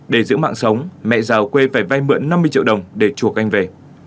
để giữ mạng sống mẹ giàu quê phải vay mượn năm mươi triệu đồng để chuộc anh về